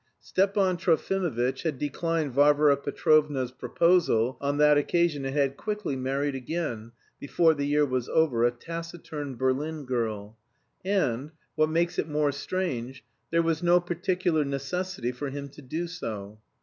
Stepan Trofimovitch had declined Varvara Petrovna's proposal on that occasion and had quickly married again, before the year was over, a taciturn Berlin girl, and, what makes it more strange, there was no particular necessity for him to do so.